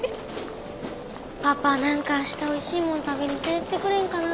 パパ何か明日おいしいもん食べに連れてってくれんかな。